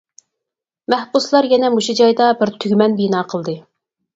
مەھبۇسلار يەنە مۇشۇ جايدا بىر تۈگمەن بىنا قىلدى.